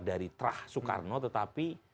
dari trah soekarno tetapi